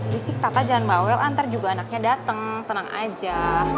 risik papa jangan bawel antar juga anaknya dateng tenang aja